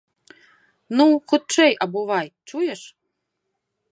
Ну, хутчэй абувай, чуеш!